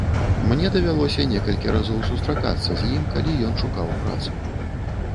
Мне давялося некалькі разоў сустракацца з ім, калі ён шукаў працу.